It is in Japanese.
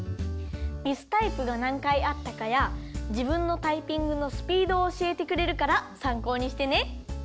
ミスタイプがなんかいあったかやじぶんのタイピングのスピードをおしえてくれるからさんこうにしてね。